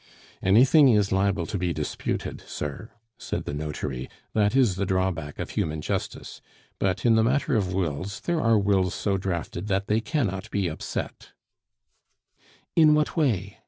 "Anything is liable to be disputed, sir," said the notary; "that is the drawback of human justice. But in the matter of wills, there are wills so drafted that they cannot be upset " "In what way?"